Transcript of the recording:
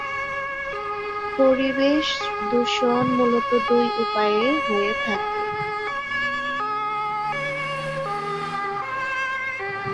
পরিবেশ দূষণ মূলত দুই উপায়ে হয়ে থাকে।